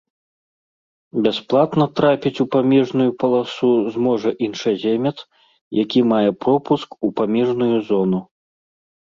Бясплатна трапіць у памежную паласу зможа іншаземец, які мае пропуск у памежную зону.